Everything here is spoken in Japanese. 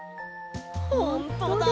ほんとだ。